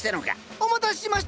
お待たせしました。